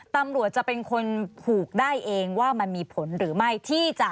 ตำรวจจะเป็นคนผูกได้เองว่ามันมีผลหรือไม่ที่จะ